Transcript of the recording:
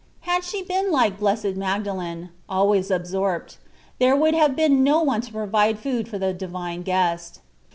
Had she been like Blessed Magdalen — always absorpt — ^there would have been no one to provide food for the Divine Guest.